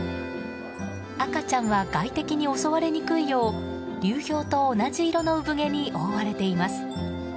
赤ちゃんは外敵に襲われにくいよう流氷と同じ色の産毛に覆われています。